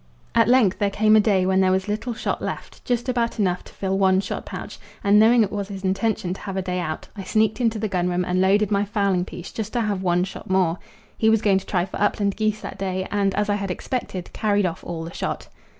At length there came a day when there was little shot left just about enough to fill one shot pouch and knowing it was his intention to have a day out, I sneaked into the gun room and loaded my fowling piece just to have one shot more. He was going to try for upland geese that day, and, as I had expected, carried off all the shot.